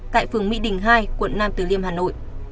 tại phường mỹ đình hai quận nam từ liêm hà nội